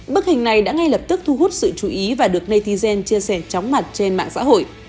bức hình này đã ngay lập tức thu hút sự chú ý và được natigen chia sẻ chóng mặt trên mạng xã hội